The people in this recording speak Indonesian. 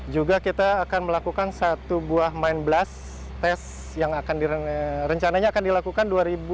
juga kita akan melakukan satu buah main blast test yang akan direncananya akan dilakukan dua ribu delapan belas